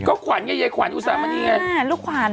ก็ขวัญไงไกจ๊ะขวัญอุติภัณฑ์อันนี้เลย